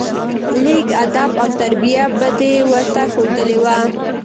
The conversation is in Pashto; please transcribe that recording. لېږ ادب او تربيه به دې ورته ښودلى وه.